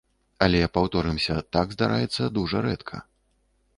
Але, паўторымся, так здараецца дужа рэдка.